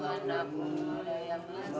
ya ampun ya mas